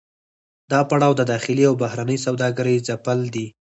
دا پړاو د داخلي او بهرنۍ سوداګرۍ ځپل دي